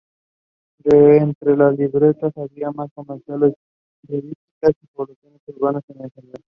Crewe were drawn at home to Swindon Town in the first round.